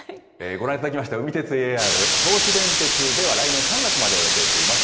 ご覧いただきました海鉄ＡＲ、銚子電鉄では来年３月までを予定しています。